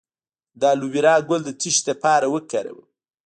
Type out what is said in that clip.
د الوویرا ګل د څه لپاره وکاروم؟